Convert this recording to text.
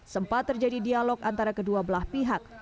sempat terjadi dialog antara kedua belah pihak